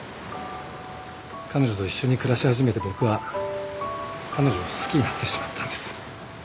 彼女と一緒に暮らし始めて僕は彼女を好きになってしまったんです。